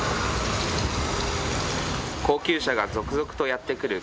高級車が続々とやって来る